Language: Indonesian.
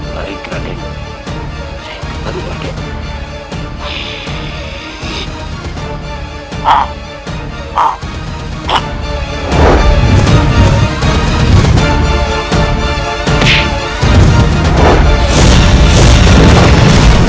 lalu kita akan berdua bersama lagi